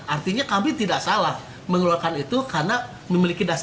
artinya kami tidak salah mengeluarkan itu karena memiliki dasar